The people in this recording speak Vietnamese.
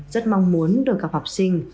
rất mong muốn được gặp học sinh